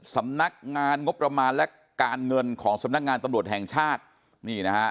สำนักงานงบประมาณและการเงินของสำนักงานตำรวจแห่งชาตินี่นะฮะ